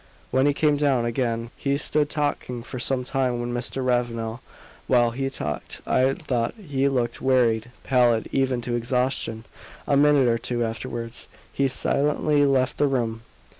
When he came down again he stood talking for some time with Mr. Ravenel. While he talked I thought he looked wearied pallid even to exhaustion; a minute or two afterwards he silently left the room.